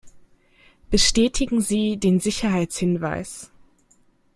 Bestätigen Sie den Sicherheitshinweis.